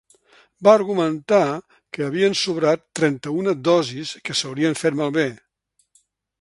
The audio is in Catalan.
Va argumentar que havien sobrat trenta-una dosis que s’haurien fet malbé.